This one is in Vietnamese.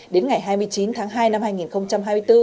đến ngày hai mươi chín tháng hai năm hai nghìn hai mươi bốn